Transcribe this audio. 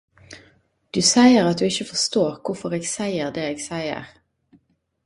Du seier at du ikkje forstår korfor eg seier det eg seier.